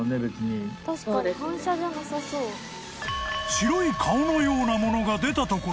［白い顔のようなものが出た所に］